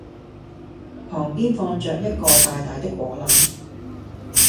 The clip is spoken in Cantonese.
旁邊放著一個大大的果籃